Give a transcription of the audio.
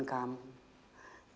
jangan bahu rp enjoyment